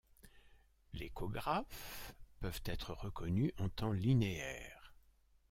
Les cographes peuvent être reconnus en temps linéaire.